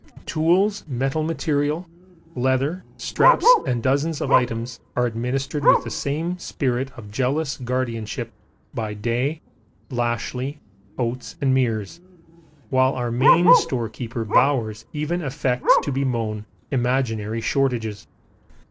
Tools, metal material, leather, straps and dozens of items are administered with the same spirit of jealous guardianship by Day, Lashly, Oates and Meares, while our main storekeeper Bowers even affects to bemoan imaginary shortages.